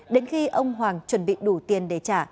đến khi ông hoàng chuẩn bị đủ tiền để trả